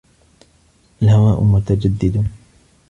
الْهَوَاءُ مُتَجَدِّدٌ.